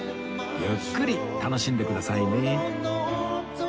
ゆっくり楽しんでくださいね